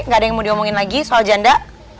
gak ada yang mau diomongin lagi soal janda